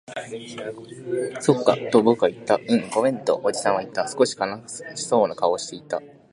そっか、と僕は言った。うん、ごめん、とおじさんは言った。少し悲しそうな顔をしていた。